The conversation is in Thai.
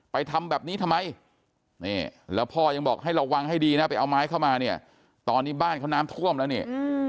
ทำแบบนี้ทำไมแล้วพ่อยังบอกให้ระวังให้ดีนะไปเอาไม้เข้ามาเนี่ยตอนนี้บ้านเขาน้ำท่วมแล้วนี่